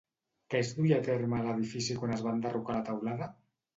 Què es duia a terme a l'edifici quan es va enderrocar la teulada?